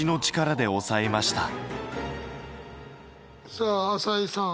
さあ朝井さん。